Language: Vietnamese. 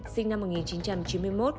sinh năm một nghìn chín trăm chín mươi một